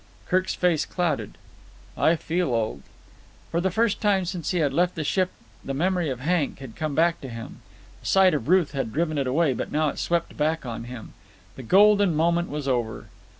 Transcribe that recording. Kirk's face clouded. "I feel old." For the first time since he had left the ship the memory of Hank had come back to him. The sight of Ruth had driven it away, but now it swept back on him. The golden moment was over.